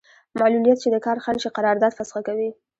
معلولیت چې د کار خنډ شي قرارداد فسخه کوي.